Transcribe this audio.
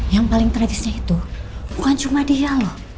yang paling tragisnya itu bukan cuma dia loh